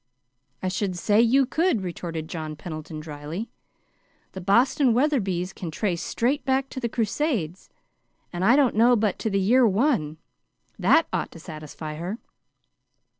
"I should say you could," retorted John Pendleton, dryly. "The Boston Wetherbys can trace straight back to the crusades, and I don't know but to the year one. That ought to satisfy her.